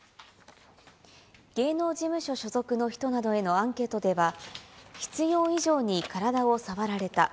芸能事務所所属の人などへのアンケートでは、必要以上に体を触られた。